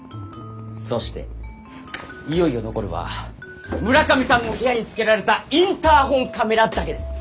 そしていよいよ残るは村上さんの部屋につけられたインターホンカメラだけです。